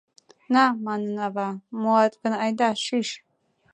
«На, — манын ава, — муат гын, айда шӱш!»